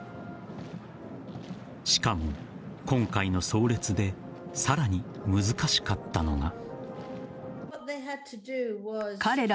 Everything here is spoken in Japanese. しかも今回の葬列でさらに難しかったのは。